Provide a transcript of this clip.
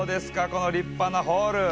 この立派なホール。